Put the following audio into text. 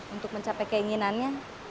untuk mencapai keinginannya